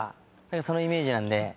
そのイメージなんで。